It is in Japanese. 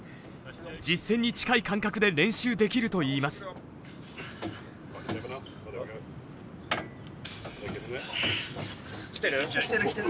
実戦に近い感覚で練習できるといいます。来てる？来てる来てる。